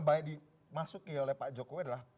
baik dimasuki oleh pak jokowi adalah